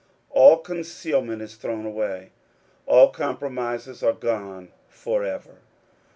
All concealment is thrown away. All compromises are gone forever.